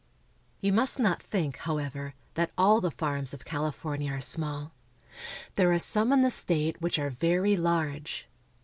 You must not think, however, that all the farms of Cali fornia are small. There are some in the state which are very large.